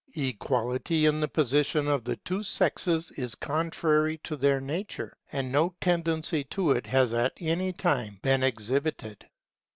Equality in the position of the two sexes is contrary to their nature, and no tendency to it has at any time been exhibited.